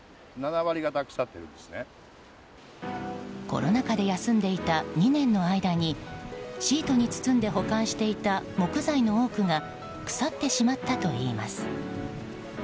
コロナ禍で休んでいた２年の間にシートに包んで保管していた木材の多くが腐ってしまったといいます。